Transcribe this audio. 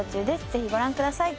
ぜひご覧ください。